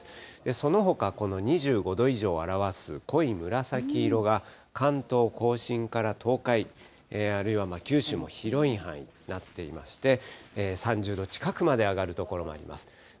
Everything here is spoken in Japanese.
そのほか、この２５度以上を表す濃い紫色が、関東甲信から東海、あるいは九州も広い範囲になっていまして、３０度近くまで上がる所もあります。